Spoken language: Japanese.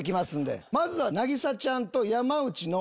まずは。